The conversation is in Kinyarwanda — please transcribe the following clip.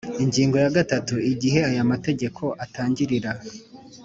Ingingo ya gatatu Igihe aya mategeko atangirira